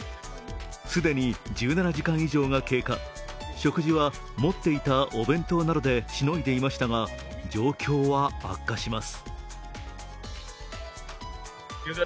既に１７時間以上が経過、食事は持っていたお弁当などでしのいでいましたが、状況は悪化します。